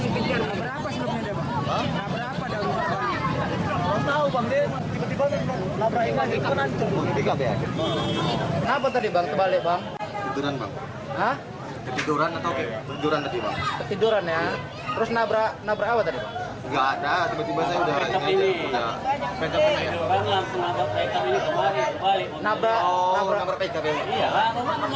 pengemudi diselamatkan warga dan pengguna jalan